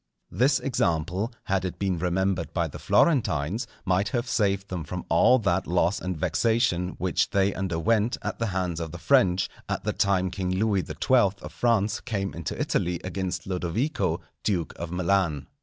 This example, had it been remembered by the Florentines, might have saved them from all that loss and vexation which they underwent at the hands of the French, at the time King Louis XII. of France came into Italy against Lodovico, duke of Milan.